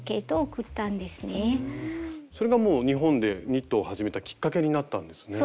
それがもう日本でニットを始めたきっかけになったんですね。